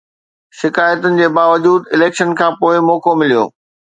شڪايتن جي باوجود اليڪشن کان پوءِ موقعو مليو.